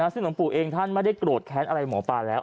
ซึ่งหลวงปู่เองท่านไม่ได้โกรธแค้นอะไรหมอปลาแล้ว